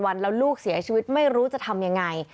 วันแล้วลูกเสียชีวิตไม่รู้จะทำยังไง